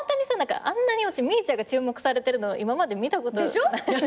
あんなに私みぃちゃんが注目されてるのを今まで見たこと。でしょ？